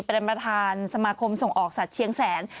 เป็นประธานสมาคมส่งออกสัตว์เชียงแสน